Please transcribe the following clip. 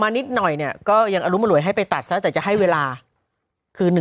นิดหน่อยเนี่ยก็ยังอรุมอร่วยให้ไปตัดซะแต่จะให้เวลาคือ